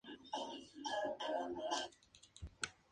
Todos sus habitantes son indígenas.